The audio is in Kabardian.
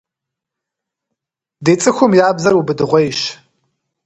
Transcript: Ди цӀыхум я бзэр убыдыгъуейщ.